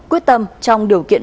quyết tâm trong điều kiện